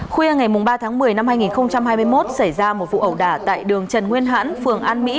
khuya ngày ba tháng một mươi năm hai nghìn hai mươi một xảy ra một vụ ẩu đả tại đường trần nguyên hãn phường an mỹ